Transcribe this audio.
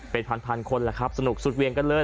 เป็นพันคนแล้วครับสนุกสุดเวียงกันเลย